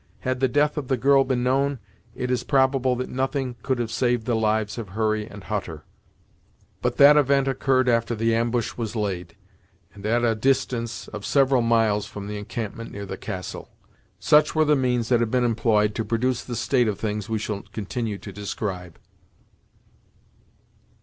Had the death of the girl been known, it is probable nothing could have saved the lives of Hurry and Hutter, but that event occurred after the ambush was laid, and at a distance of several miles from the encampment near the castle. Such were the means that had been employed to produce the state of things we shall continue to describe.